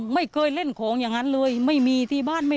ไม่คืออย่างนี้นะ